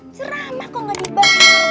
ceramah kok gak dibantu